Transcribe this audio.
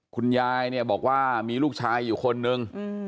คุณยายเนี่ยบอกว่ามีลูกชายอยู่คนนึง